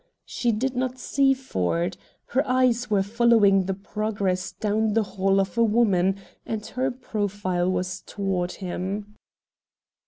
She did not see Ford. Her eyes were following the progress down the hall of a woman, and her profile was toward him.